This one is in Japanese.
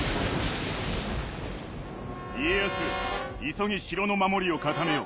急ぎ城の守りを固めよ。